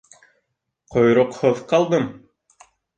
Ҡойроҡһоҙ ҡалдым!